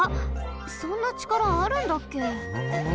そんなちからあるんだっけ？